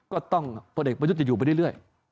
ก็ต้องพอเด็กประยุทธ์จะอยู่ไปเรื่อย